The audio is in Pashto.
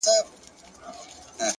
د کار ارزښت په پایله نه محدودېږي